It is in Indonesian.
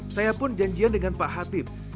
saya pun janjian dengan pak hatip